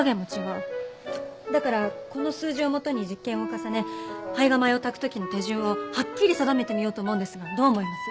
だからこの数字を元に実験を重ね胚芽米を炊く時の手順をはっきり定めてみようと思うんですがどう思います？